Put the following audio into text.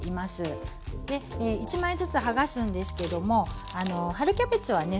１枚ずつ剥がすんですけども春キャベツはね